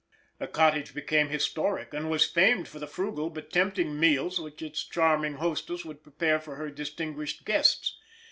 This cottage became historic, and was famed for the frugal but tempting meals which its charming hostess would prepare for her distinguished guests.